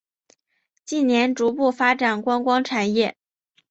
近年逐步发展观光产业。